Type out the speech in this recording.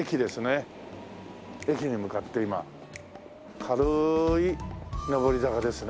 駅に向かって今軽い上り坂ですね。